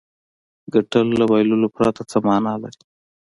ګټل له بایللو پرته څه معنا لري.